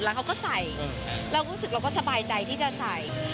แล้วเขาก็ใส่เรารู้สึกเราก็สบายใจที่จะใส่